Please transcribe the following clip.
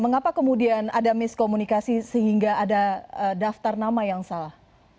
mengapa kemudian ada miskomunikasi sehingga ada daftar nama yang salah